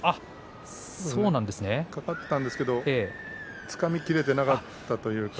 かかったんですけれどつかみきれていなかったというか。